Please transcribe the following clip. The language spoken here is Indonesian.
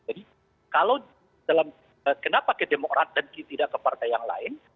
jadi kalau dalam kenapa ke demokrat dan tidak ke partai yang lain